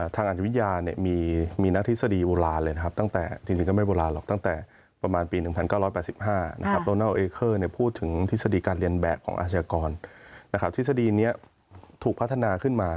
ทางอาจวิทยามีนักทฤษฎีโบราณเลยนะครับจริงก็ไม่โบราณหรอก